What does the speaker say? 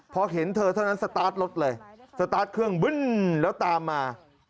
พอเห็นเธอเท่านั้นสตาร์ทรถเลยสตาร์ทเครื่องบึ้นแล้วตามมา